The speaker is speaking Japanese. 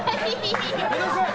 やめなさい！